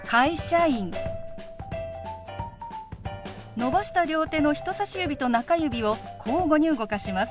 伸ばした両手の人さし指と中指を交互に動かします。